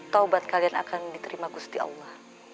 taubat kalian akan diterima gusti allah